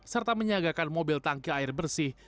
serta menyiagakan mobil tangki air bersih